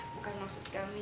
bukan maksud kami